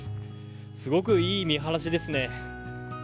すごくいい見晴らしですね。